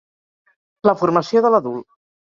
La formació de l'adult.